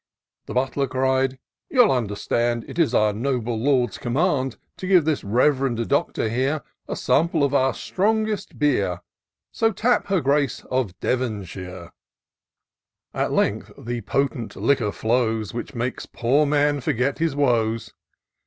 The Butler cried, " You'll understand, It is our noble Lord's command To give this rev'rend Doctor here A sample of our strongest beer ; So tap her grace of Devonshire'' At length the potent liquor flows, Which makes poor man forget his woes.